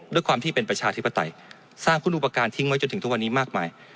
ด้วยความที่เป็นประชาธิปไตยสร้างคุณอุปการณ์ทิ้งไว้จนถึงทุกวันนี้มากมาย